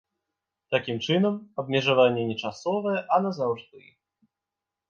Такім чынам, абмежаванне не часовае, а назаўжды.